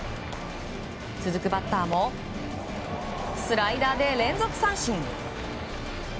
続くバッターもスライダーで連続三振。